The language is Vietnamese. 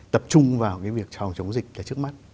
tập trung vào cái việc chống dịch là trước mắt